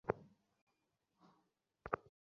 ঘনবসতিপূর্ণ জায়গাগুলোতে সিলিন্ডারগুলো পাঠিয়ে দাও।